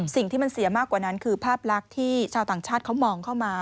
สิ่งที่มันเสียมากกว่านั้นคือภาพลักษณ์ที่ชาวต่างชาติเขามองเข้ามา